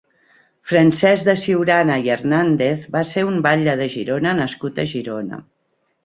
Francesc de Ciurana i Hernández va ser un batlle de Girona nascut a Girona.